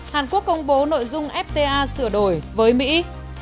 hàn quốc công bố nội dung fta sửa đổi với mỹ